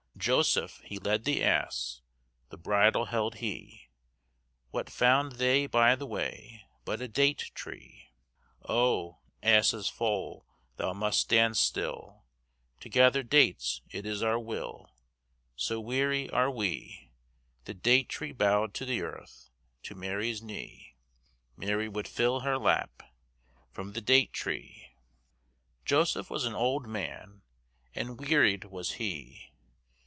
"Joseph he led the ass, The bridle held he; What found they by the way, But a date tree? Oh! ass's foal, thou must stand still, To gather dates it is our will, So weary are we. The date tree bowed to the earth, To Mary's knee; Mary would fill her lap From the date tree. Joseph was an old man, And wearied was he.